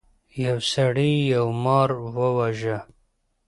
یو سړي یو مار وواژه.